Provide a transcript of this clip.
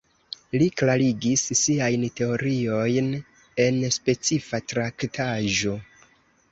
Li klarigis siajn teoriojn en specifa traktaĵo.